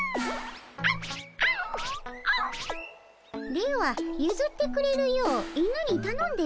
ではゆずってくれるよう犬にたのんでみたらどうかの？